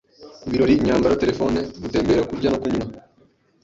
ibirori, imyambaro, Telephone, gutembera kurya no kunywa,